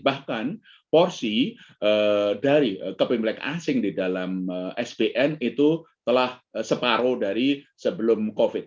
bahkan porsi dari kepimplek asing di dalam sbn itu telah separuh dari sebelum covid